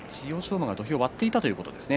馬、土俵を割っていたということですかね。